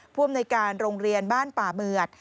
ผู้อำนวยการโรงเรียนบ้านป่าเหมือด